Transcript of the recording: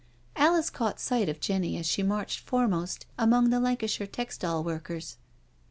Alice caught sight of Jenny as she marched foremost among the Lancashire textile workers.